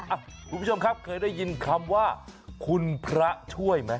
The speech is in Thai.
คุณผู้ชมครับเคยได้ยินคำว่าคุณพระช่วยไหม